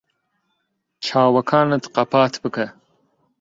چاوەکانت قەپات بکە.